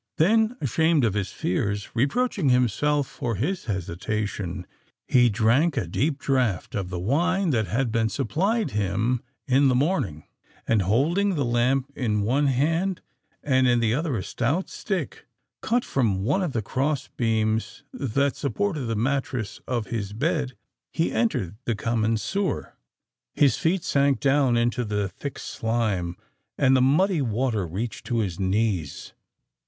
Then, ashamed of his fears—reproaching himself for his hesitation, he drank a deep draught of the wine that had been supplied him in the morning; and holding the lamp in one hand, and in the other a stout stick cut from one of the cross beams that supported the mattress of his bed, he entered the common sewer. His feet sank down into the thick slime, and the muddy water reached to his knees.